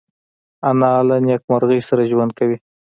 انا له نیکمرغۍ سره ژوند کوي